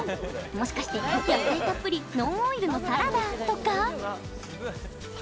もしかして、野菜たっぷりノンオイルのサラダとか？